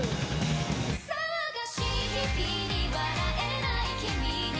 「騒がしい日々に笑えない君に」